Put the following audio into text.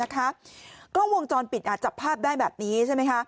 กล้องวงจรปิดจับภาพได้แบบนี้ใช่ไหมคะ